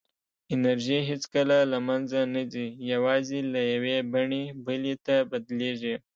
انرژي هېڅکله له منځه نه ځي، یوازې له یوې بڼې بلې ته بدلېږي.